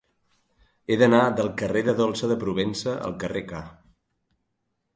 He d'anar del carrer de Dolça de Provença al carrer K.